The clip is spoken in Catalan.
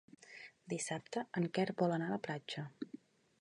Dissabte en Quer vol anar a la platja.